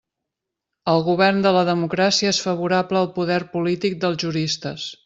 El govern de la democràcia és favorable al poder polític dels juristes.